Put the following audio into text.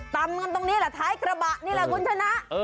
ตำกันตรงนี้แหละท้ายกระบะนี่แหละคุณชนะ